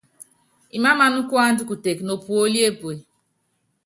Imámaná kuanda kutek nopúóli epue.